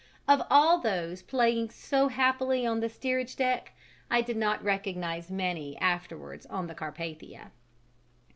Of all those playing so happily on the steerage deck I did not recognize many afterwards on the Carpathia.